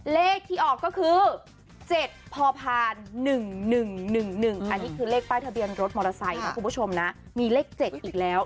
เลขที่ออกก็คือ๗พอผ่าน๑๑๑๑๑อันนี้คือเลขป้ายทะเบียนรถมอเตอร์ไซค์นะคุณผู้ชมนะมีเลข๗อีกแล้ว